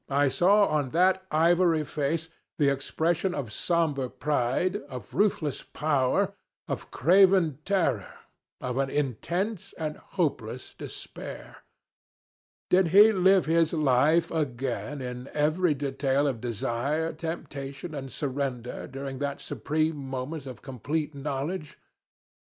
I saw on that ivory face the expression of somber pride, of ruthless power, of craven terror of an intense and hopeless despair. Did he live his life again in every detail of desire, temptation, and surrender during that supreme moment of complete knowledge?